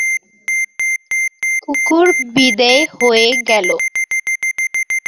কুকুর বিদেয় হয়ে গেল।